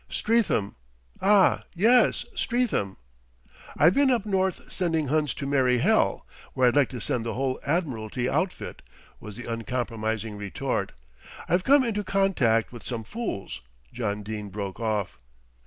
"Streatham." "Ah! yes, Streatham." "I've been up north sending Huns to merry hell, where I'd like to send the whole Admiralty outfit," was the uncompromising retort. "I've come into contact with some fools " John Dene broke off.